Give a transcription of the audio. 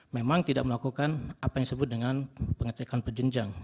memang tidak melakukan apa yang disebut dengan pengecekan perjenjang